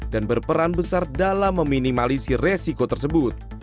dan berperan besar dalam meminimalisi resiko tersebut